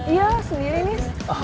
iya sendiri nih